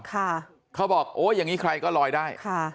เขาบอกโอ้ยอย่างนี้ใครก็ลอยได้ค่ะ